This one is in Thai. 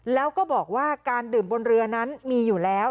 แล้วก็บอกว่าการดื่มบนเรือนั้นมีอยู่แล้ว